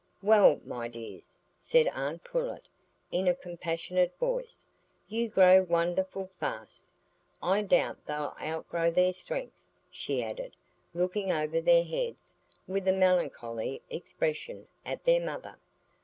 "Well, my dears," said aunt Pullet, in a compassionate voice, "you grow wonderful fast. I doubt they'll outgrow their strength," she added, looking over their heads, with a melancholy expression, at their mother.